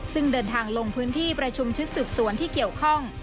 ซึ่งเดินทางลงพื้นที่ประชุมชุดสืบสวนที่เกี่ยวข้อง